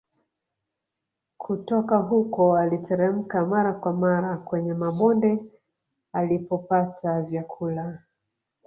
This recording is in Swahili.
Kutoka huko aliteremka mara kwa mara kwenye mabonde alipopata vyakula